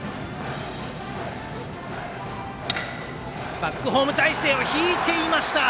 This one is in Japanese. バックホーム体勢を敷いていました。